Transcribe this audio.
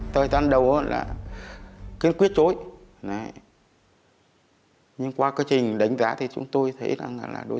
thời gian đầu là kiên quyết chối nhưng qua quá trình đánh giá thì chúng tôi thấy rằng là đối